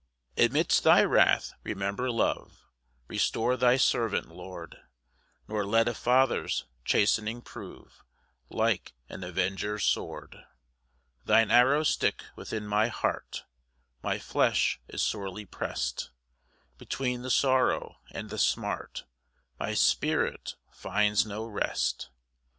1 Amidst thy wrath remember love, Restore thy servant, Lord; Nor let a father's chastening prove Like an avenger's sword. 2 Thine arrows stick within my heart, My flesh is sorely prest; Between the sorrow and the smart My spirit finds no rest.